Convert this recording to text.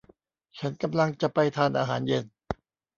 ฉันกำลังจะไปทานอาหารเย็น